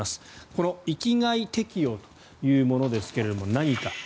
この域外適用というものですが何か。